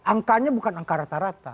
angkanya bukan angka rata rata